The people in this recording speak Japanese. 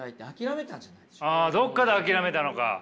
ああどっかで諦めたのか。